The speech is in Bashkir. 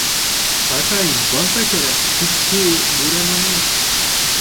— Атай, балта кәрәк, ситке бүрәнәне...